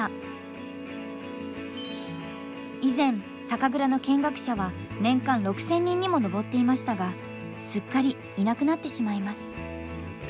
以前酒蔵の見学者は年間６，０００人にも上っていましたがすっかりいなくなってしまいます。